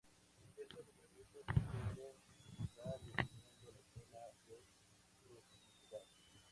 Esos atributos se suelen simplificar definiendo la zona de rusticidad.